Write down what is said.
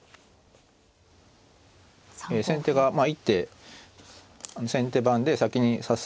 先手が一手先手番で先に指す。